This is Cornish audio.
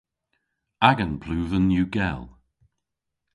Agan pluven yw gell.